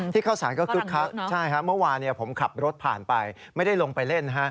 ที่เข้าสารก็คือใช่ครับเมื่อวานผมขับรถผ่านไปไม่ได้ลงไปเล่น